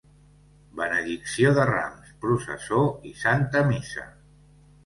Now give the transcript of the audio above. Benedicció de Rams, processó i Santa missa.